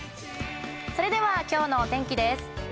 それではきょうのお天気です。